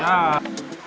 aku yang nyerah